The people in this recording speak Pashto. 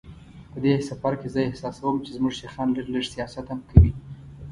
په دې سفر کې زه احساسوم چې زموږ شیخان لږ لږ سیاست هم کوي.